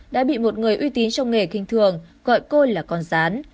đã bị một người uy tín trong nghề kinh thường gọi cô là con rán